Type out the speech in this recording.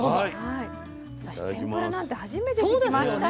私天ぷらなんて初めて聞きました。